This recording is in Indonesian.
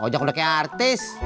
oja udah kayak artis